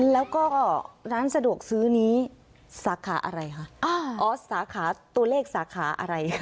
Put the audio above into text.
แล้วก็ร้านสะดวกซื้อนี้สาขาอะไรคะออสสาขาตัวเลขสาขาอะไร